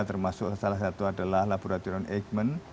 termasuk salah satu adalah laboratorium eijkman